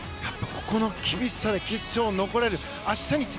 この厳しい中決勝に残れる。